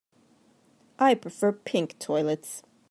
I prefer pink toilets.